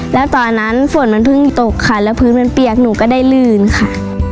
แล้วตอนนั้นฝนมันเพิ่งตกค่ะแล้วพื้นมันเปียกหนูก็ได้ลื่นค่ะ